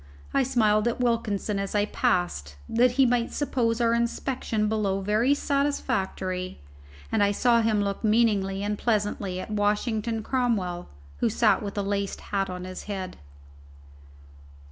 I smiled at Wilkinson as I passed, that he might suppose our inspection below very satisfactory, and I saw him look meaningly and pleasantly at Washington Cromwell, who sat with a laced hat on his head.